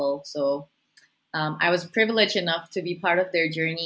menjadi bagian dari perjalanan mereka ketika mereka memutuskan